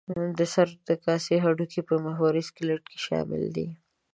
د سر د کاسې هډوکي په محوري سکلېټ کې شامل دي.